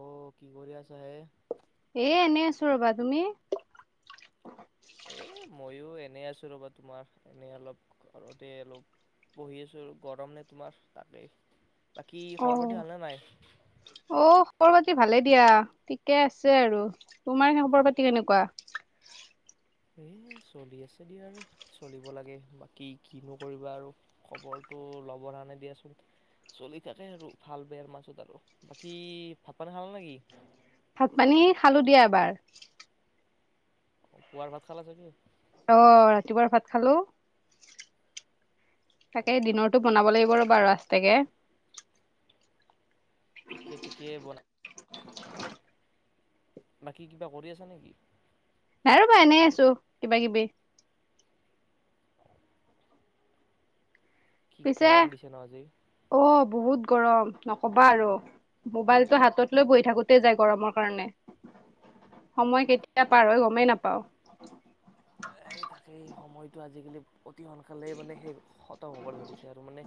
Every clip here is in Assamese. অ', কি কৰি আছা হে। এ এনে আছো ৰ'বা তুমি। এ ময়ো এনে আছো ৰ'বা তোমাৰ এনে অলপ ঘৰতে অলপ বহি আছো গৰম নে তোমাৰ, তাকেই। বাকী অ খবৰ পাতি ভাল নে [unintelligible] খবৰ পাতি ভালে দিয়া ঠিকে আছে আৰু তোমাৰ খবৰ পাতি কেনেকুৱা। [inaudible] এই চলি আছোঁ দিয়া আৰু চলিব লাগে বাকী কিনো কৰিবা আৰু খবৰটো ল'বৰ হ নে দিয় আচোন চলি থাকে আৰু ভাল বেয়াৰ মাজত আৰু বাকী ভাত পানি খাল নেকি? ভাত পানী খালো দিয়া এবাৰ। পুৱাৰ ভাত খালা চা গে অ ৰাতিপুৱাৰ ভাত খালো অ তাকে দিনৰতটো বনাব লাগিব ৰ'বা ৰাস্তকে- টিকে টিকে বনা। বাকী কিবা কৰি আছা নেকি? নাই ৰ'বা এনেই আছো কিবা কিবি। কি পিছে গৰম দিছে ন আজি অ বহুত। গৰম নকবা আৰু মোবাইলতটো হাতত লৈ বহি থাকোতে যায় গৰমৰ কাৰণে- সময় কেতিয়া পাৰহৈ গমেই নাপাও এই তাকেই সময়টো আজিকালি অতি সোনকালে মানে সেই খতম হ'ব ধৰিছে আৰু মানে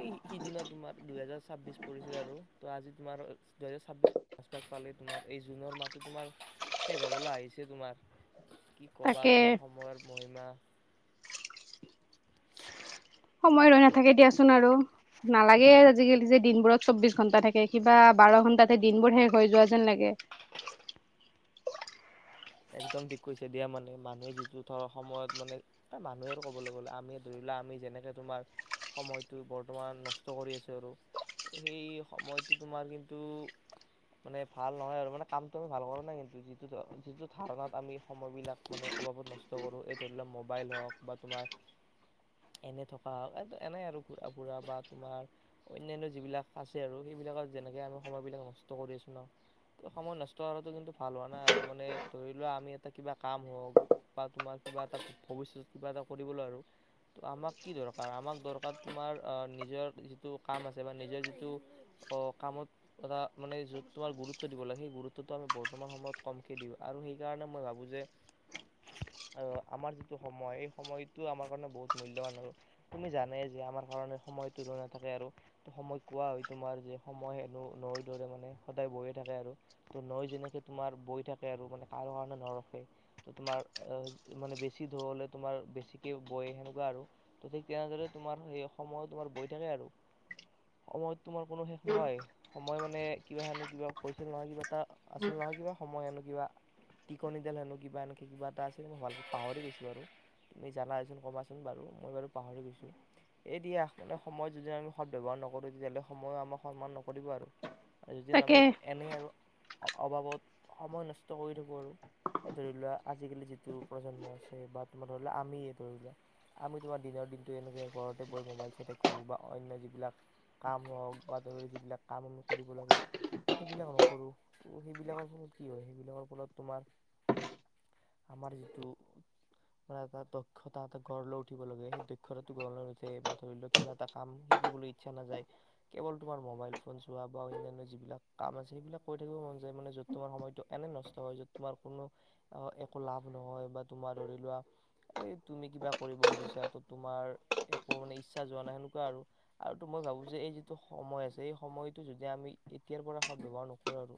এই সিদিনা তোমাৰ দুহেজাৰ ছাব্বিশ। পৰিছিলে আৰু ত আজি তোমাৰ দুহেজাৰ ছাব্বিশ পচ পালেই তোমাৰ এই জুনৰ মাহতো তোমাৰ শেষ হ'বলৈ আহিছে। তোমাৰ কি কবা তাকে তোমাৰ সময়ৰ মহিমা- [unintelligible] সময় ৰৈ নাথাকে দিয়াচোন আৰু নালাগে আজিকালি যে দিনবোৰত চৌ্ববিশ ঘন্টা থাকে কিবা বাৰ ঘন্টাতে দিনবোৰ শেষ হৈ যোৱা যেন লাগে। [unintelligible] একদম টিক কৈছে দিয়া মানে মানুহে যিটো ধৰ সময়ত মানে এ মানুহে আৰু কবলৈ গ'লে আমিয়ে ধৰিলো। আমি যেনেকে তোমাৰ সময়টো বৰ্তমান নষ্ট কৰি আছোঁ। আৰু সেই সময়টো তোমাৰ কিন্তু মানে ভাল নহয় আৰু মানে কামটো আমি ভাল কৰো নাই কিন্তু যিটো যিটো- ধাৰণাত আমি সময়বিলাক মানে অবাবত নষ্ট কৰোঁ এই ধৰি লও মোবাইল হওক বা তোমাৰ- এনে থকা হওক এনে আৰু ঘুৰা ফুৰা বা তোমাৰ অন্যান্য যিবিলাক আছে আৰু সেই বিলাক যেনেকে আমি সময় বিলাক নষ্ট কৰি আছো ন সময় নষ্ট কৰাতো কিন্তু ভাল হোৱা নাই আৰু মানে। ধৰি লোৱা আমি এটা কিবা কাম হওঁক বা তোমাৰ কিবা এটা ভৱিষ্যত কিবা এটা কৰিবলৈ আৰু- ত আমাক কি দৰকাৰ আমাক দৰকাৰ তোমাৰ আহ নিজৰ যিটো কাম আছে বা নিজৰ যিটো অ কামত এটা মানে যত তোমাৰ গুৰুত্ব দিব লাগে সেই গুৰুত্বটো আমি বৰ্তমান সময়ত কমকে দিওঁ। আৰু সেইকাৰণে মই ভাবো যে- অ আমাৰ যিটো সময় এই সময়টো আমাৰ কাৰণে বহুত মূল্যবান আৰু তুমি জানে যে- আমাৰ কাৰণে সময় ত ল নাথাকে আৰু ত সময় কোৱা হয় তোমাৰ যে সময় হেনো ন দৰে মানে- সদায় বৈয়ে থাকে আৰু ত নৈ যেনেকে তোমাৰ বৈ থাকে। মানে কাৰো কাৰণে নৰখে তোমাৰ মানে বেছি ধলে তোমাৰ বেছিকে- সেনেকোৱা আৰু ত ঠিক তেনেদৰে তোমাৰ সেই সময় তোমাৰ বৈ থাকে আৰু সময়ত তোমাৰ কোনো শেষ নহয় সময় মানে কিবা হনো কিবা পৰিছিল নহয় কিবা এটা আছিল নহয় নহয় কিবা সময় আনো কিবা টিকনিডাল হেনো কিবা এনেকে কিবা এটা আছে মই ভালকৈ পাহৰি গৈছো ব আৰু তুমি জানাচোন ক'বাচোন বাৰু মই বাৰু পাহৰি গৈছোঁ এদি য়া মানে সময়ত যদি আমি সদ ব্যাৱহাৰ নকৰো তেতিয়াহ'লে সময়ো আমাক সন্মান নকৰিব আৰু যিদিন তাকে আমি এনেই আৰু অবাবত সময় নষ্ট নষ্ট কৰি থাকোঁ আৰু এই ধৰি লোৱা আজিকালি যিটো প্ৰজন্ম আছে বা তোমাৰ ধৰি লোৱা আমিয়ে ধৰি লোৱা আমি তোমাৰ দিনৰ দিনটো এনেকৈ ঘৰতে বৈ মোবাইল চাই থাকোঁ বা অন্য যিবিলাক কাম হওক বা ধৰি যিবিলাক কাম আমি কৰিব লাগে সেইবিলাক নকৰো সেইবিলাকৰ ফলত কি হয় সেইবিলাকৰ ফলত তোমাৰ আমাৰ যিটো মানে এটা দক্ষতা এটা গঢ় লৈ উঠিব লাগে সেই দক্ষতাটো গঢ় লৈ উঠে বা ধৰি লওক কিবা এটা কাম শিকিবলৈ ইচ্ছা নাযায় কেৱল তোমাৰ মোবাইল ফোন চোৱা বা অন্যান্য যিবিলাক কাম আছে সেইবিলাক কৰি থাকিব মন যায় মানে যতমান সময়তটো এনে নষ্ট হয় যত তোমাৰ কোনো অ একো লাভ নহয় বা তোমাৰ ধৰি লোৱা এই তুমি কিবা কৰিব খুজিছা ত তোমাৰ একো মানে ইচ্ছা যোৱা নাই সেনেকুৱা আৰুো মই ভাবো যে এই যিটো সময় আছে এই সময়টো যদি আমি এতিয়াৰ পৰা সত ব্যবহাৰ নকৰো আৰু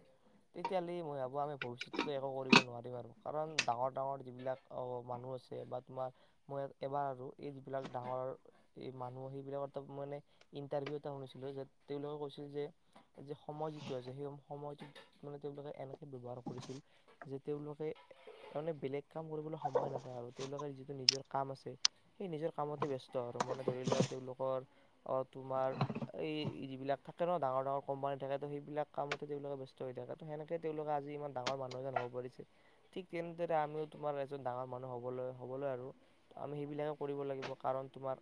তেতিয়াহলে মই ভাবো আমি ভৱিষ্যত একো কৰিব নোৱাৰিম আৰু কাৰণ ডাঙৰ ডাঙৰ যিবিলাক মানুহ আছে বা তোমাৰ মই এবাৰ আৰু এই যিবিলাক ডাঙৰ মানুহ সেইবিলাক মানে ইন্টাৰভিউ এটা শুনিছো তেওঁলোকে কৈছিল যে যে সময় যিটো আছে সেই সময়টো মানে তেওঁলোকে এনে ব্যৱহাৰ কৰিছিল যে তেওঁলোকে মানে বেলেগ কাম কৰিবলৈ সময় নাপায় আৰু তেওঁলোকে যিটো নিজৰ কাম আছে নিজৰ কামতে বস্ত মানে ধৰি লোৱা তেওঁলোকৰ অ তোমাৰ এই যিবিলাক থকা ডাঙৰ ডাঙৰ কোম্পানী থাকে ত সেইবিলাক কামতে তেওলোকে ব্যস্ত হৈ থাকে ত সেনেকে তেওঁলোকে আজি ইমান ডাঙৰ মানুহ এজন হ'ব পাৰিছে ঠিক তেনেদৰে আমিও তোমাৰ এজন ডাঙৰ মানুহ হ'বলৈ হ'ব আমি সেইবিলাকে কৰিব লাগিব কাৰণ তোমাৰ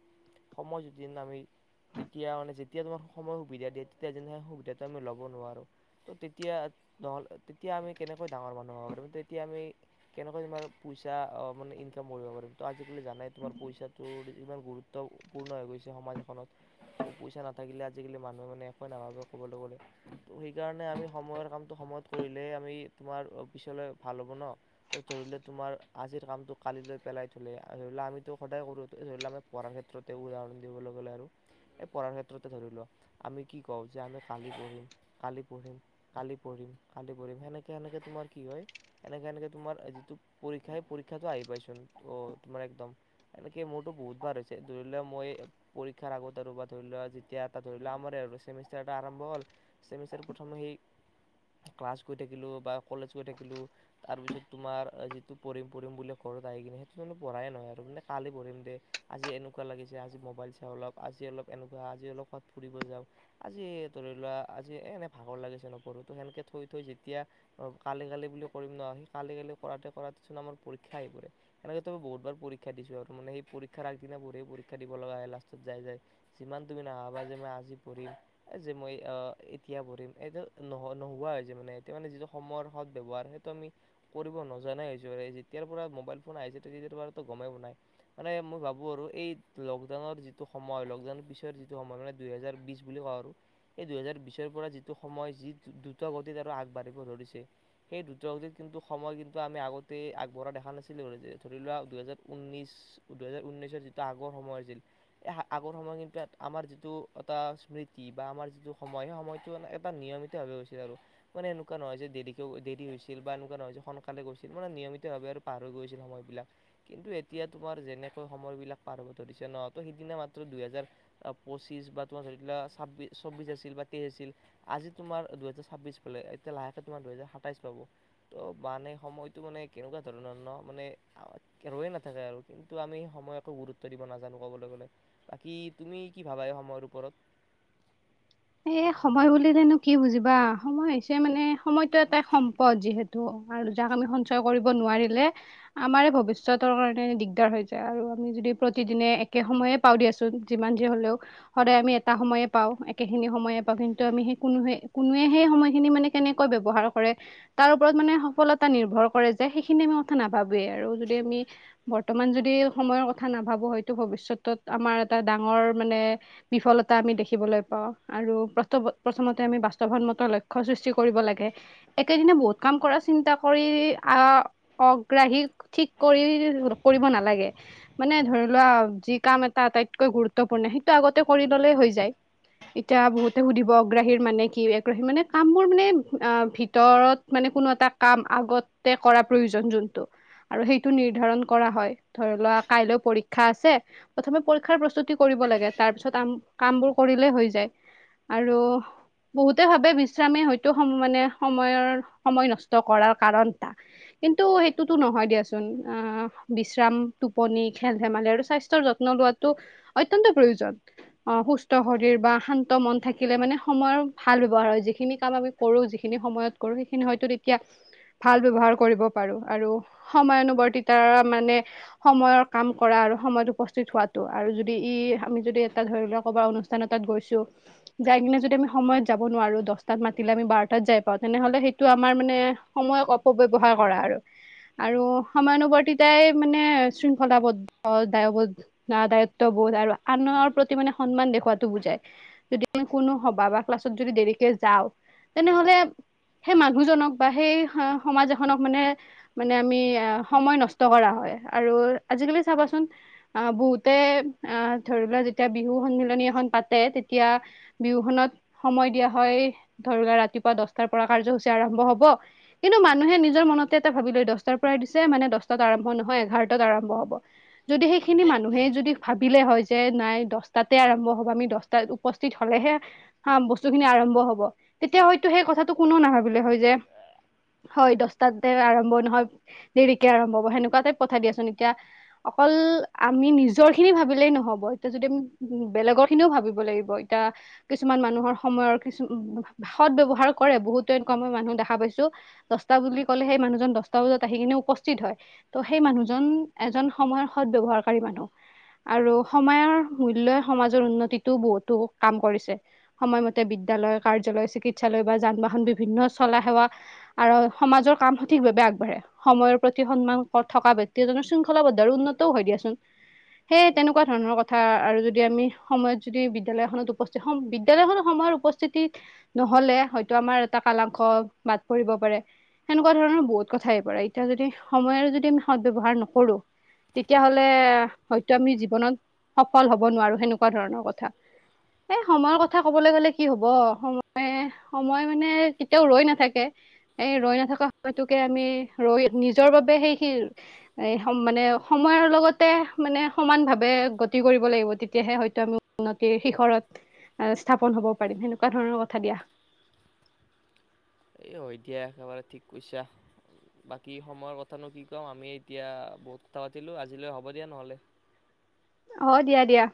সময় যদি আমি তেতিয়া মানে যেতিয়া তোমাৰ সময় সুবিধা দিয়ে তেতিয়া যেনে সুবিধাটো আমি ল'ব নোৱাৰো ত তেতিয়া তেতিয়া আমি কেনেকৈ ডাঙৰ মানুহ হ'ব পাৰ তেতিয়া আমি কেনেকৈ তোমাৰ পইচা মানে ইনকাম পাৰিম ত আজিকালি জানাই তোমাৰ পইচাটো ইমান গুৰুত্বপূৰ্ণ হৈ গৈছে সমাজ এখনত পইচা নাথাকিলে আজিকালি মানুহে মানে একোৱেই নাভাবে ক'বলৈ গ'লে তো সেইকাৰণে আমি সময়ৰ কাম সেইসময়ত কৰিলে আৰু আমি তোমাৰ পিছলৈ ভাল‌ হব ন ধৰি ল তোমাৰ আজি কালি - কালিলৈ পেলাই থলে আৰু আমিতো সদায় কৰো স আমি পঢ়াৰ ক্ষেত্ৰতে উদাহৰণ দিবলৈ গ'লে আৰু- এই পঢ়াৰ ক্ষেত্ৰতে ধৰি লোৱা আমি কি কওঁ যে আমি কালি পঢ়িম কালি পঢ়িম কালি পঢ়িম কালি পঢিম সেনেকে সেনেকে তোমাৰ কি হয় এনেকে সনেক তোমাৰ যিটো পৰীক্ষাই পৰীক্ষাটো আহ পোন ত তোমাৰ একদম এনেকে মোৰতো বহুত বাৰ হৈছে ধৰি লওক মই পৰীক্ষাৰ আগতে ধৰি লোৱা যেতিয়া এটা ধৰি লোৱা আম আৰু চেমেষ্টাৰ এটা আৰম্ভ হল চেমেষ্টাৰ প্ৰথম সেই [inaudible] ক্লাছ গৈ থাকিলোঁ বা কলেজ গৈ থাকিলোঁ তাৰপিছত তোমাৰ যিটো পঢ়িম পঢ়িম বুলি ঘৰত আহি কিনে সেইটোলে পঢ়াই নহয় আৰু মানে কালি পঢ়িম দে আজি এনেকুৱা লাগিছে আজি মোবাইল চাও অলপ আজি অলপ এনেকুৱা আজি অলপাত ফুৰিব যাও আজি ধৰি লোৱা আজি এ এনে ভাগৰ লাগিছে নপঢ়ো সেনকে থৈ থৈ যেতিয়া কালি গালি বুলি কৰিম নহ সেই কালি গালি কৰাতে কৰাটোচোন আমাৰ পৰীক্ষা আহি এনেক ত ম বহুত বাৰ পৰীক্ষা দিছো আৰু মানে সেই পৰীক্ষাৰ আগদিনা পঢ়ি পৰীক্ষা দিব লগা হয় লাষ্টত যাই যায় যিমান তুমি নাভাবা যে মই আজি পঢ়িম যে মই আহ এতিয়া পঢ়িম এইটো নহয় নোহোৱা হৈছে মানে এতিয়া মানে যিটো সময়ৰ সদ্ ব্যৱহাৰ সেইটো আমি কৰিব নজানাই হয়ছো যেতিয়া মোবাইল ফোন আহি গমও নাই মানে মই ভাবো আৰু এই লকডাউনৰ যিটো সময় মই লকডাউনৰ পিছৰ যিটো সময় মানে দুই হেজাৰ বিছ বুলি কওঁ আৰু এই দুইহেজাৰ বিছৰ পৰা যিটো সময় যি দ্ৰুত গতিত আৰু আগবাঢ়িব ধৰিছে সেই দ্ৰুত গতিত কিন্তু সময় কিন্তু আমি আগতেই আগবঢ়া দেখা দেখা নাছিলো ধৰি লোৱা দুই হেজাৰ ঊনৈশ দুই হেজাৰ ঊনৈশৰ যিটো আগৰ সময় আছিল আগৰ সময় কিন্তু আমাৰ যিটো এটা স্মৃতি বা আমাৰ যিটো সময় সেই সময়তটো মানে এটা নিয়মিত গৈছিল আৰু। মানে এনেকুৱা নহয় যে দেৰিকে দেৰি হৈছিল বা এনেকুৱা নহয় যে, সোনকালে গৈছিল মানে নিয়মিতভাৱে পাৰ হৈ গৈছিল সময়বিলাক। কিন্তু এতিয়া তোমাৰ যেনেকৈ সময়বিলাক পাৰ হ'ব ধৰিছে ন! ত' সিদিনা দুহেজাৰ পঁচিছ বা তোমাৰ ধৰি লোৱা ছাব্বিশ-চৌবিশ আছিল বা তেইশ আছিল। আজি তোমাৰ দুহেজাৰ-ছাব্বিশ পালে। এতিয়া লাহেকে তোমাৰ দুহেজাৰ-সাতাইশ পাব। ত মানে সময়তো মান কেনেকুৱা ধৰণৰ ন? মানে ৰৈয়ে নাথাকে আৰু। কিন্তু আমি সময়ক একো গুৰুত্ব দিব নাজানো ক'বলৈ গ'লে। বাকী তুমি কি ভাবা? এই সময়ৰ ওপৰত [inaudible] এ সময় বুলিলেনো কি বুজিবা! সময় হৈছে মানে, সময়টো এটা সম্পদ যিহেতু আৰু যাক আমি সঞ্চয় কৰিব নোৱাৰিলে, আমাৰে ভৱিষ্যতৰ কাৰণে দিগদাৰ হৈ যায় আৰু। আমি যদি প্ৰতিদিনে একে সময়ে পাওঁ দিয়াচোন। যিমান যি হ'লেও, সদায় আমি এটা সময়ে পাওঁ। এইখিনি সময়ে পাওঁ, কিন্তু আমি সেই কোনো-কোনোৱে সেই সময়খিনি মানে কেনেকৈ ব্যৱহাৰ কৰে তাৰ ওপৰত মানে সফলতা নিৰ্ভৰ কৰে যে সেইখিনি কথা নাভাবোৱেই আৰু। যদি আমি বৰ্তমান যদি সময়ত কথা নাভাবো হয়তো, ভৱিষ্যতত আমাৰ এটা ডাঙৰ মানে বিফলতা আমি দেখিবলৈ আৰু প্ৰথমতে আমি বাস্তৱসন্মত লক্ষ্য সৃষ্টি কৰিব লাগে। একেদিনে বহুত ক কাম কৰা চিন্তা কৰি, আহ-অগ্ৰাহী ঠিক কৰি কৰিব নালাগে। মানে ধৰি লোৱা যি কাম এটা আটাইতকৈ গুৰুত্বপূৰ্ণ, সেইটো আগতে কৰি ল'লেই হৈ যায়। এতিয়া বহুতে সুধিব অগ্ৰাহীৰ মানে কি? আগ্ৰহীৰ মানে কামৰ মানে আ ভিতৰত মানে কোনো এটা কাম আগতে কৰা প্ৰয়োজন যোনটো, আৰু সেইটো নিৰ্ধাৰণ কৰা হয়। ধৰি লোৱা কাইলৈ পৰীক্ষা আছে প্ৰথমে পৰীক্ষাৰ প্ৰস্তুতি কৰিব। লাগে। তাৰ পিছত কামবোৰ কৰিলে হৈ যায়। আৰু বহুতে ভাবে বিশ্ৰামে হয়তো সম মানে সময়ৰ, সময় নষ্ট কৰাৰ কাৰণ এটা। কিন্তু সেইটোতো নহয় দিয়াচোন। আ বিশ্ৰাম, টোপনি, খেল-ধেমালি আৰু স্বাস্থ্যৰ যত্ন যত্ন লোৱাটো অত্যন্ত প্ৰয়োজন। অহ সুস্থ শৰীৰ বা শান্ত মন থাকিলে মানে সময়ৰ ভাল ব্যৱহাৰ হয়। যিখিনি কাম আমি কৰোঁ যিখিনি সময়ত কৰো। সেইখিনি হয়তো তেতিয়া ভাল ব্যৱহাৰ কৰিব পাৰো। আৰু সময়ানুৱৰ্তিতাৰ মানে, সময়ৰ কাম কৰা আৰু সময়ত উপস্থিত হোৱাটো আৰু যদি ই আমি যদি এটা ধৰি লোৱা ক'বাৰ অনু গৈছো। যায় কিনে যদি আমি সময়ত যাব নোৱাৰো, দশটাত মাতিলে আমি বাৰটাত যাই পাওঁ। তেনেহ'লে সেইটো আমাৰ মানে সময়ক অপব্যৱহাৰ কৰা আৰু। আৰু সময়ানুবৰ্তিতাই মানে শৃংখলাবদ্ধ, দায়বদ্ধ বোধ আৰু আনৰ প্ৰতি মানে সন্মান দেখুৱাত বুজায়। যদি আমি কোনো সভা বা ক্লাছত যদি দেৰিকে যাওঁ, তেনেহ'লে সেই মানুহজনক বা সেই সমাজ এখনক মানে, মানে আমি সময় নষ্ট কৰা হয়। আৰু আজিকালি চাবাচোন। অ' বহুতে আ ধৰি লোৱা যেতিয়া বিহু সন্মিলনী এখন পাতে, তেতিয়া বিহুখনত সময় দিয়া হয়, ধৰি ৰাতিপুৱা দশটাৰ পৰা কাৰ্যসূচী আৰম্ভ হ'ব। কিন্তু মানুহে নিজৰ মনতে এটা ভাবি লয়। দশটাৰ পৰাই দিছে মানে দশটাত আৰম্ভ নহয়। এঘাৰটা [unintelligible] যদি সেইখিনি মানুহে যদি ভাবিলে হয় যে, নাই দশটাতে আৰম্ভ হ'ব। আমি দশটাত উপস্থিত হ'লেহে হা বস্তুখিনি আৰম্ভ হ'ব। তেতিয়া হয়তো সেই কথাটো কোনো নাভাবিলে হয়। হৈ যে হয় দশটাতে আৰম্ভ নহয়, দেৰিকে আৰম্ভ হ'ব। সেনেকুৱা টাইপ কথা দিয়াচোন এতিয়া। অকল আমি নিজৰখিনি ভাবিলেই নহ'ব, এতিয়া যদি আমি বেলেগৰ খিনিও ভাবিব লাগিব। এতিয়া, কিছুমান মানুহৰ সময়ৰ কিছু সৎ ব্যৱহাৰ কৰে বহুত মানুহ দেখা পাইছো, দশটা বুলি ক'লে সেই মানুহজন দশটা বজাত আহি কিনে উপস্থিত হয়। ত' সেই মানুহ এ-এজন সময়ৰ সৎ ব্যৱহাৰকাৰী মানুহ। আৰু সময়ৰ মূল্য সমাজৰ উন্নত যিটো বহুতো কাম কৰিছে। সময়মতে বিদ্যালয়, কাৰ্যালয়, চিকিৎসালয় বা যান-বাহন বিভিন্ন চলা সেৱা আৰু সমাজৰ কাম সঠিকভাৱে আগবাঢ়ে। সময়ৰ প্ৰতি সন্মান থকা ব্যক্তি জন শৃংখলাবদ্ধ আৰু উন্নতও হয় দিয়াচোন। সেই তেনেকুৱা ধৰণৰ কথা আৰু যদি আমি সময়ত যদি বিদ্যালয়খনত উপস্থিত হ'ম। বিদ্যালয়খনত সময়ত উপস্থিতি নহ'লে হয়তো আমাৰ এটা কালাংশ বাট পৰিব পাৰে। সেনেকুৱা ধৰণৰ বহুত কথাই আহি পৰে, এতিয়া যদি সময় যদি আমি ব্যৱহাৰ নকৰো, তেতিয়াহ'লে হয়তো আমি জীৱনত সফল হ'ব নোৱাৰো। হেনে ধৰণৰ কথা এ সময়ৰ কথা কবলৈ গ'লে কি হব সময়ে সময় মানে কেতিয়াও ৰৈ নাথাকে। এই ৰৈ নাথকা সময়তোকে আমি ৰৈ নিজৰ বাবে সেই সি এ মানে- সময়ৰ লগতে মানে সমান ভাৱে গতি কৰিব লাগিব তেতিয়াহে হয়। আমি উন্নতিৰ শিখৰত স্থাপন হব পাৰিম সেনেকুৱা ধৰণৰ কথা দিয়া। [inaudible] এ হৈ দিয়া একেবাৰে ঠিক কৈছা। বাকী সময়ৰ কথানো কি কম আমি এতিয়া বহুত কথা পাতিলো আজিলৈ হ'ব দিয়া নহলে। অ দিয়া দিয়া।